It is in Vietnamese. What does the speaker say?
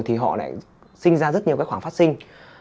thì họ lại sinh ra rất nhiều cái khoản phát sinh